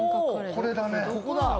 これだね。